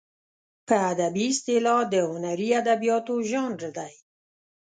په ادبي اصطلاح د هنري ادبیاتو ژانر دی.